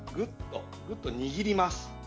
ぐっと握ります。